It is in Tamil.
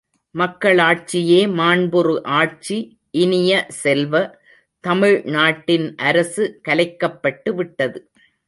மக்களாட்சியே மாண்புறு ஆட்சி இனிய செல்வ, தமிழ் நாட்டின் அரசு கலைக்கப்பட்டு விட்டது.